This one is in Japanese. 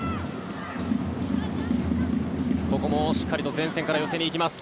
ここもしっかりと前線から寄せに行きます。